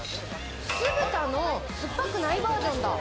酢豚の酸っぱくないバージョンだ。